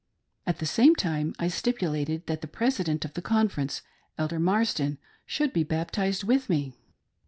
At the same time I stipulated that the Pres ident of the Conference — Elder Marsden — should be baptized with me.